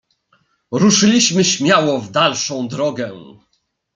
"Ruszyliśmy śmiało w dalszą drogę."